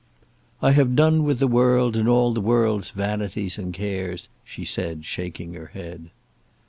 "I have done with the world, and all the world's vanities and cares," she said, shaking her head.